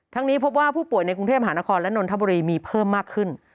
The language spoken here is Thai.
นี้พบว่าผู้ป่วยในกรุงเทพมหานครและนนทบุรีมีเพิ่มมากขึ้น